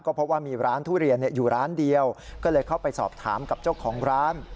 เพราะว่ามีร้านทุเรียนอยู่ร้านเดียวก็เลยเข้าไปสอบถามกับเจ้าของร้าน